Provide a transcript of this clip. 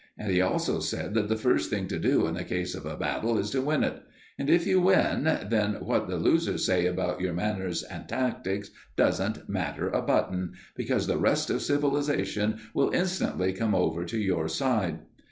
And he also said that the first thing to do in the case of a battle is to win it. And if you win, then what the losers say about your manners and tactics doesn't matter a button, because the rest of civilisation will instantly come over to your side.